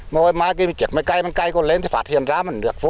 mà hồi mai cái chiếc máy cây mà cây còn lên thì phát hiện ra mà nước vô